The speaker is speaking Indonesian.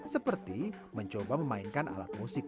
seperti mencoba memainkan alat musik